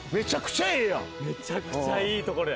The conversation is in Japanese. めちゃくちゃいい所で。